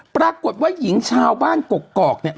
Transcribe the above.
ปรากฏว่าหญิงชาวบ้านกกอกเนี่ย